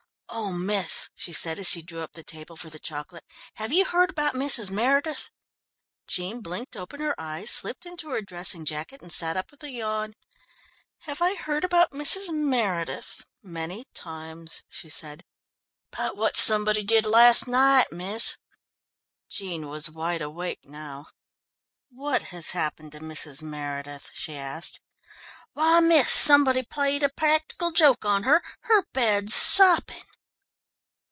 "Oh, miss," she said, as she drew up the table for the chocolate, "have you heard about Mrs. Meredith?" Jean blinked open her eyes, slipped into her dressing jacket and sat up with a yawn. "Have I heard about Mrs. Meredith? Many times," she said. "But what somebody did last night, miss?" Jean was wide awake now. "What has happened to Mrs. Meredith?" she asked. "Why, miss, somebody played a practical joke on her. Her bed's sopping."